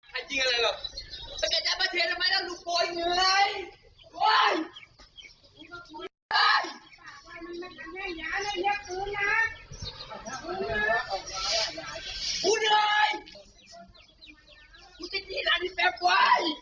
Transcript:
พี่จะรับรัพธ์ร้อนอยู่ไหนหวะ